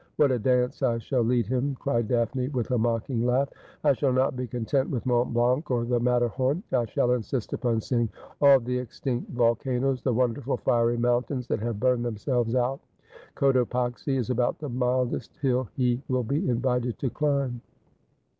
What a dance I shall lead him !' cried Daphne with a mocking laugh. ' I shall not be content with Mont Blanc or the Matterhorn. I shall insist upon seeing all the extinct volcanoes, the wonderful fiery mountains that have burned themselves out. Cotopaxi is about the mildest hill he will be invited to climb.'